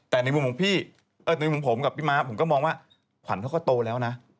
แต่ในมุมของพี่ในมุมผมกับพี่ม้าผมก็มองว่าขวัญเขาก็โตแล้วนะ